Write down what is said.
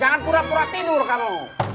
jangan pura pura tidur kamu